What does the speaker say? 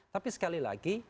tapi sekali lagi